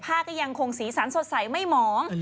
ผ้าก็ยังคงสีสันสดใสไม่หมอง